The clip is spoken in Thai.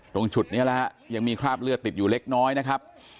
ตรงจุดนี้นะฮะยังมีคราบเลือดติดอยู่เล็กน้อยนะครับ